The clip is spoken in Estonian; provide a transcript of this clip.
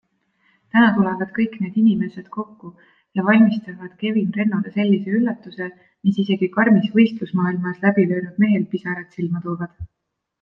Täna tulevad kõik need inimesed kokku ja valmistavad Kevin Rennole sellise üllatuse, mis isegi karmis võistlusmaailmas läbi löönud mehel pisarad silma toovad.